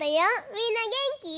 みんなげんき？